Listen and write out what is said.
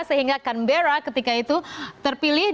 sehingga canberra ketika itu terpilih